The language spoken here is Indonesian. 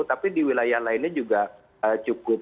tapi di wilayah lainnya juga cukup